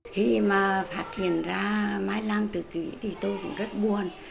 khi mà phát hiện ra mai làm tự kỷ thì tôi cũng rất buồn